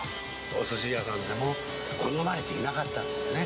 おすし屋さんでも、好まれていなかったんですね。